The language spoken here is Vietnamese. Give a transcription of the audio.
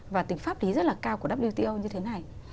và tính pháp lý rất là cao của wto như thế này